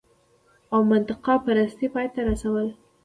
او منطقه پرستۍ پای ته رسول